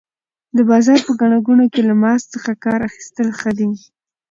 د بازار په ګڼه ګوڼه کې له ماسک څخه کار اخیستل ښه دي.